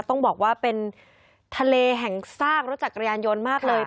ต้องบอกว่าเป็นทะเลแห่งซากรถจักรยานยนต์มากเลย